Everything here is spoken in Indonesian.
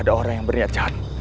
dua burbutan siap guten